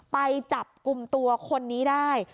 ไปจับกลุ่มตัวคนนี้ได้